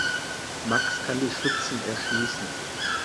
Max kann die Schützen erschießen.